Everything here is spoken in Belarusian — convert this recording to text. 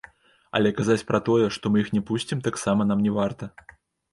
Але казаць пра тое, што мы іх не пусцім, таксама нам не варта.